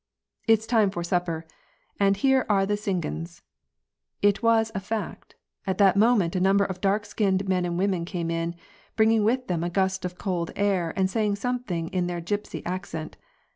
'* If s time for supper, and here are the Tsigans !" It was a fact : at that moment a number of dark skinned men and women came in, bringing with them a gust of cold air, and saying something in their gypsy accent.